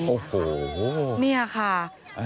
โอ้โหเนี่ยค่ะ